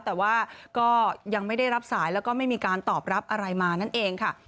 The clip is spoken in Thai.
แต่ว่าก็ยังไม่ได้รับสายแล้วก็ไม่มีการตอบรับอะไรมานั่นเองค่ะ